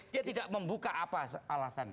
dia tidak membuka apa alasan